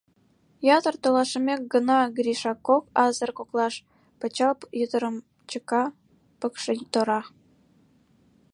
Ятыр толашымек гына Гриша кок азыр коклаш пычал йытырым чыка, пыкше тора.